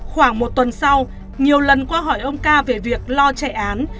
khoảng một tuần sau nhiều lần qua hỏi ông ca về việc lo chạy án